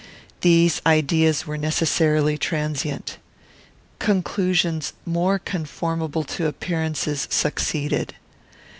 These ideas were necessarily transient. Conclusions more conformable to appearances succeeded.